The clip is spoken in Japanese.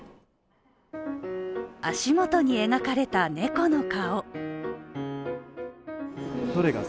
足元に描かれた猫の顔。